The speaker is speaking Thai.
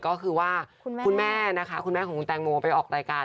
ก็คือว่าคุณแม่ของคุณแตงโมไปออกรายการ